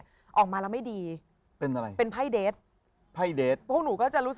เองไพ่จะไม่เปลี่ยนเลยเหรอ